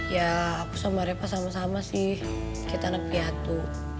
ya aku samaripa sama sama sih kita anak piatu